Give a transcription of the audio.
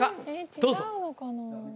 どうぞ！